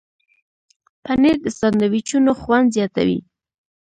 پنېر د ساندویچونو خوند زیاتوي.